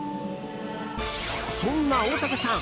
そんな大竹さん